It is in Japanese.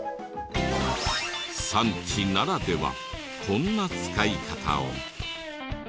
産地ならではこんな使い方を。